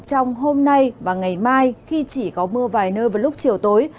trong hôm nay và ngày mai khi chỉ có mưa vài nơi vào lúc chiều tối